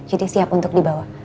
jadi siap untuk dibawa